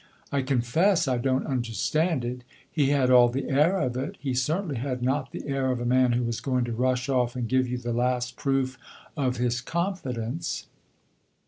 "I confess I don't understand it. He had all the air of it. He certainly had not the air of a man who was going to rush off and give you the last proof of his confidence."